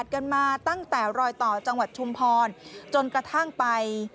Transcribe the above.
แสวรอยต่อจังหวัดชุมพรจนกระทั่งไป